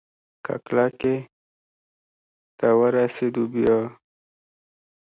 که کلکې ته ورسېدو بيا؟